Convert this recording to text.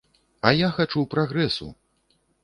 А я хачу прагрэсу.